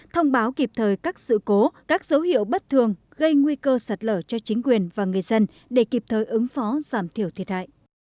thông báo kịp thời các sự cố các dấu hiệu bất thường gây nguy cơ sạt lở cho chính quyền và người dân để kịp thời ứng phó giảm thiểu thiệt hại